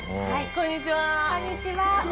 こんにちは。